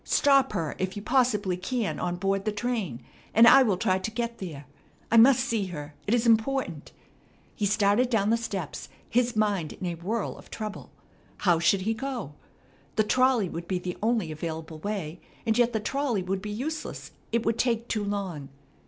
"Stop her if you possibly can on board the train, and I will try to get there. I must see her. It is important." He started down the steps, his mind in a whirl of trouble. How should he go? The trolley would be the only available way, and yet the trolley would be useless; it would take too long.